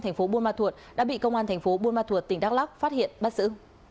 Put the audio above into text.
thành phố buôn ma thuột đã bị công an thành phố buôn ma thuột tỉnh đắk lắc phát hiện bắt giữ